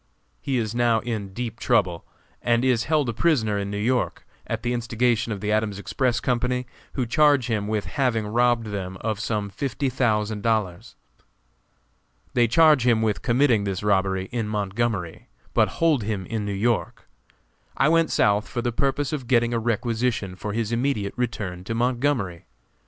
He is now in deep trouble, and is held a prisoner in New York, at the instigation of the Adams Express Company, who charge him with having robbed them of some fifty thousand dollars. They charge him with committing this robbery in Montgomery, but hold him in New York. I went South for the purpose of getting a requisition for his immediate return to Montgomery.